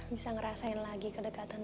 bisa ngerasain lagi kedekatan